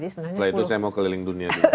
setelah itu saya mau keliling dunia juga